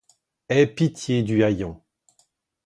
Ait pitié du haillon.